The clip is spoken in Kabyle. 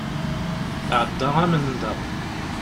Iɛedda am nnda.